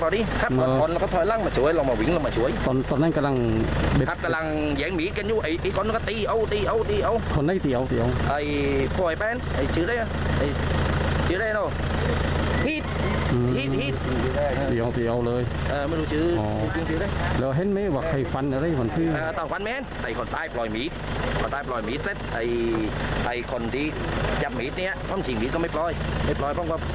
ตอนนั้นกำลังเย็นมีกันอยู่ไอตีกรณาตีเอาตีเอาตีเอาตีเอาตีเอาตีเอา